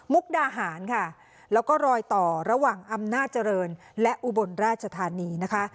ดาหารค่ะแล้วก็รอยต่อระหว่างอำนาจเจริญและอุบลราชธานีนะคะ